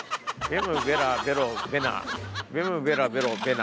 ベムベラベロベナ。